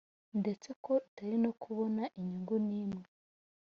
ndetse ko itari no kubona inyungu n imwe